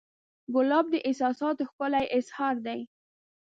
ګلاب د احساساتو ښکلی اظهار دی.